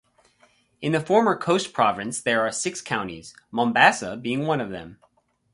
In the former Coast Province there are six counties, Mombasa being one of them.